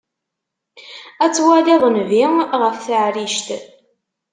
Ad twaliḍ nnbi ɣef taɛrict.